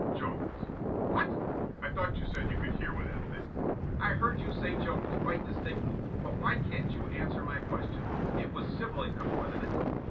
"Jones." "What?" "I thought you said you could hear with that thing!" "I heard you say Jones quite distinctly, but why can't you answer my question? It was civil enough, wasn't it?"